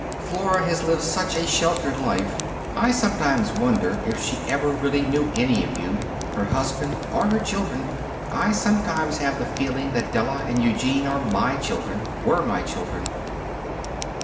Flora has lived such a sheltered life. I sometimes wonder if she ever really knew any of you. Her husband, or her children. I sometimes have the feeling that Della and Eugene are my children were my children."